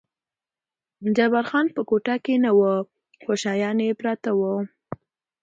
جبار خان په کوټه کې نه و، خو شیان یې پراته و.